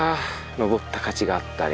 登った価値があったね。